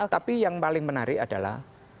tapi yang paling menarik adalah